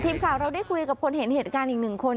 ทีมข่าวเราได้คุยกับคนเห็นเหตุการณ์อีกหนึ่งคน